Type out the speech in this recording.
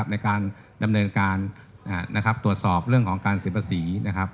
ในการดำเนินการตรวจสอบเรื่องของการเสียภาษี